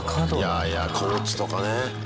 いやいやコーチとかね